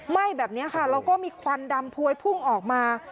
ไหม้แบบนี้ค่ะแล้วก็มีควันดำพวยพุ่งออกมา